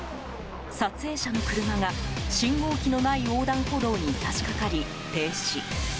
撮影者の車が信号機のない横断歩道に差し掛かり、停止。